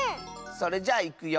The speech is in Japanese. それじゃあいくよ。